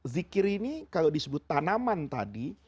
zikir ini kalau disebut tanaman tadi